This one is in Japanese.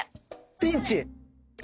ピンチ！